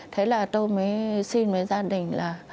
thế là tôi mới xin với gia đình là